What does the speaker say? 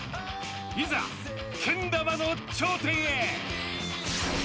いざ、けん玉の頂点へ！